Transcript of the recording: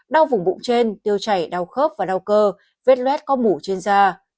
đau vùng bụng trên tiêu chảy đau khớp và đau cơ viết loét có mũ trên da